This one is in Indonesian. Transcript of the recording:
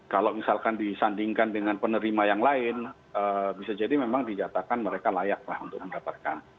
kalau misalkan disandingkan dengan penerima yang lain bisa jadi memang dinyatakan mereka layaklah untuk mendapatkan